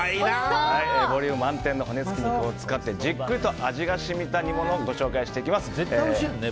ボリューム満点の骨付き肉を使ってじっくりと味が染みた煮物をご紹介します。